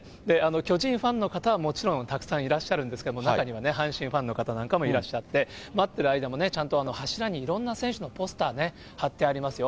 巨人ファンの方はもちろんたくさんいらっしゃるんですけども、中にはね、阪神ファンの方なんかもいらっしゃって、待ってる間もちゃんといろんな選手のポスターね、貼ってありますよ。